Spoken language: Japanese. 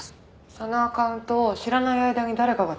そのアカウントを知らない間に誰かが使ってるんです。